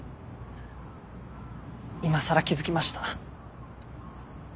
今さら気づきました。